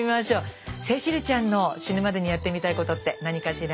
聖秋流ちゃんの死ぬまでにやってみたいことって何かしら？